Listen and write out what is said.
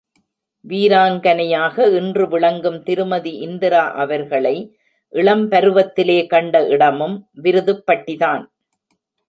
வீராங்கனையாக இன்று விளங்கும் திருமதி இந்திரா அவர்களை இளம்பருவத்திலே கண்ட இடமும் விருதுப் பட்டிதான்.